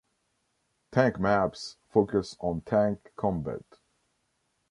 Tank maps focus on tank combat.